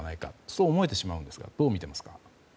そう思えてしまうんですがどう見ていますか。